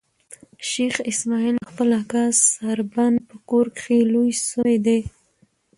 شېخ اسماعیل د خپل اکا سړبن په کور کښي لوی سوی دئ.